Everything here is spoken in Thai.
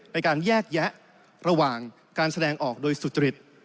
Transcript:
ในการแยกแยะระหว่างการแสดงออกโดยสุจริต